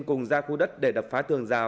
cùng ra khu đất để đập phá tường rào